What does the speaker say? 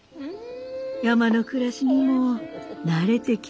山の暮らしにも慣れてきたみたいね。